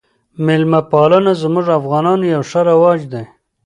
میلمه پالنه زموږ افغانانو یو ښه رواج دی